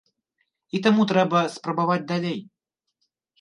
І таму трэба спрабаваць далей.